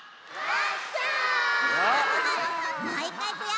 もういっかいいくよ。